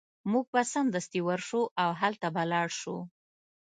موږ به سمدستي ورشو او هلته به لاړ شو